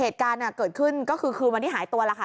เหตุการณ์เกิดขึ้นก็คือคืนวันที่หายตัวแล้วค่ะ